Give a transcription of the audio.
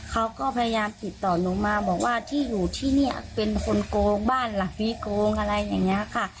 เขาก็พยายามติดต่อหนูมาบอกว่าที่อยู่ที่นี่เป็นคนโกงบ้านล่ะผีโกงอะไรอย่างนี้ค่ะ